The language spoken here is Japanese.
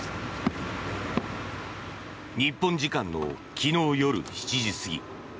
日本時間の昨日夜７時過ぎ